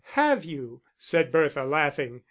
"Have you?" said Bertha, laughing.